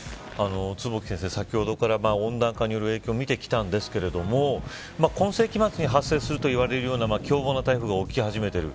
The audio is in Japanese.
坪木先生、先ほどから温暖化による影響を見てきたんですけれども今世紀末に発生するといわれるような凶暴の台風が起き始めている。